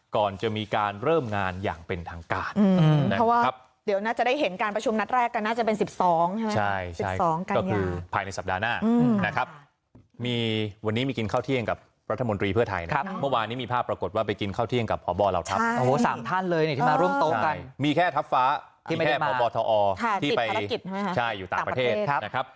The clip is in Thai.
ก่อนจะมีการเริ่มงานอย่างเป็นทางการเพราะว่าเดี๋ยวน่าจะได้เห็นการประชุมนัดแรกก็น่าจะเป็นสิบสองใช่ไหมใช่ใช่ก็คือภายในสัปดาห์หน้านะครับมีวันนี้มีกินข้าวเที่ยงกับรัฐมนตรีเพื่อไทยครับเมื่อวานนี้มีภาพปรากฏว่าไปกินข้าวเที่ยงกับหอบรเหล่าทัพสามท่านเลยที่มาร่วมโต๊ะกันมีแค่ท